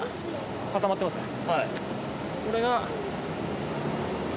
これが。